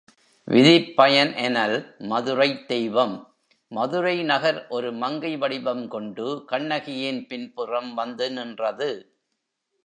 விதிப்பயன் எனல் மதுரைத் தெய்வம் மதுரை நகர் ஒரு மங்கை வடிவம் கொண்டு கண்ணகியின் பின்புறம் வந்து நின்றது.